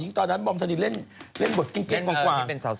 ตอนนั้นบอมธนินเล่นบทเก้งกว่า